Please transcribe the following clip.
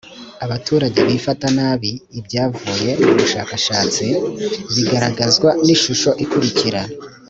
abaturage bifata nabi ibyavuye mu bushakashatsi bigaragazwa n ishusho ikurikira